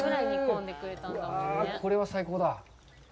これは最高だ。